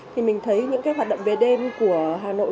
thì mình thấy những cái hoạt động về đêm của hà nội